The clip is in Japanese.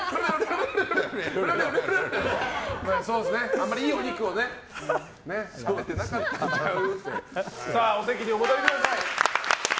あんまりいいお肉を食べてなかったんちゃう？